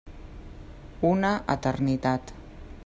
Una eternitat.